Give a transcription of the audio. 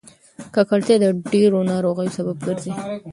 ککړتیا د ډېرو ناروغیو سبب ګرځي.